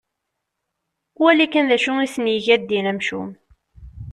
Wali kan d acu isen-yegga ddin amcum.